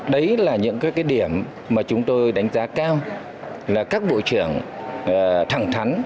đấy là những cái điểm mà chúng tôi đánh giá cao là các bộ trưởng thẳng thắn